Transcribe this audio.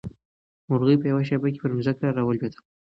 مرغۍ په یوه شېبه کې پر ځمکه راولوېده.